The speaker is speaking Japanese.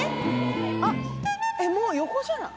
もう横じゃない？